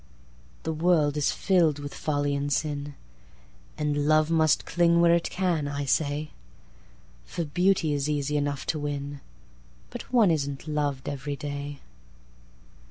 The world is fill'd with folly and sin, And Love must cling where it can, I say:For Beauty is easy enough to win; But one is n't lov'd every day.